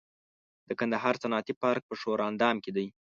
د کندهار صنعتي پارک په ښوراندام کې دی